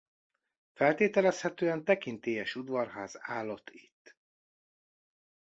Feltételezhetően tekintélyes udvarház állott itt.